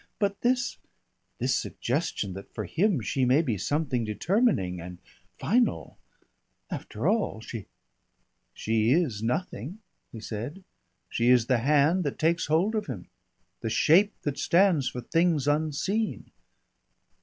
But this this suggestion that for him she may be something determining and final After all, she " "She is nothing," he said. "She is the hand that takes hold of him, the shape that stands for things unseen."